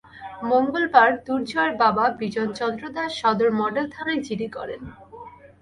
মঙ্গলবার দুর্জয়ের বাবা বিজন চন্দ্র দাস সদর মডেল থানায় জিডি করেন।